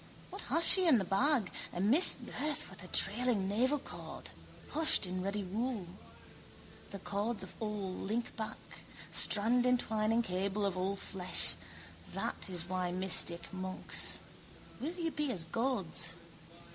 What has she in the bag? A misbirth with a trailing navelcord, hushed in ruddy wool. The cords of all link back, strandentwining cable of all flesh. That is why mystic monks. Will you be as gods?